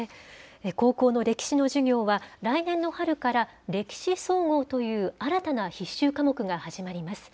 高校の歴史の授業は、来年の春から歴史総合という新たな必修科目が始まります。